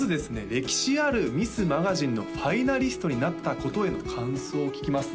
歴史あるミスマガジンのファイナリストになったことへの感想を聞きます